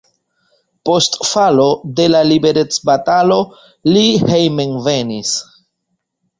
Post falo de la liberecbatalo li hejmenvenis.